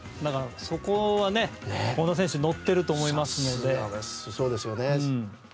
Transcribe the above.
そこは権田選手乗っていると思いますからね。